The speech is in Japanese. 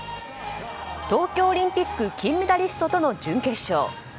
東京オリンピック金メダリストとの準決勝。